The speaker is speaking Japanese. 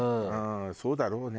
そうだろうね。